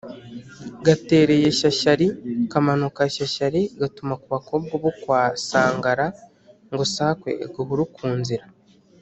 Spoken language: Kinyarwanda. Gatereye Shyashyari kamanuka Shyashyari gatuma ku bakobwa bo kwa Sangara ngo sakwe-Agahuru ku nzira.